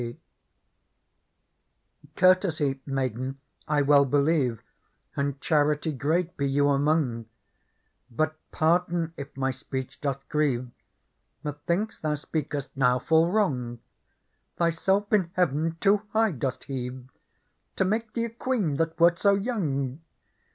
Digitized by Google PEARL «1 " Courtesy, maiden, I well believe And charity great be you among ; But (pardon if my speech doth grieve,) Methinks thou speakest now full wrong. Thyself in heaven too high dost heave. To make thee a queen, that wert so young.